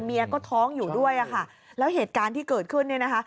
ก็ท้องอยู่ด้วยอะค่ะแล้วเหตุการณ์ที่เกิดขึ้นเนี่ยนะคะ